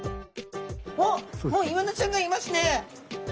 おっもうイワナちゃんがいますね。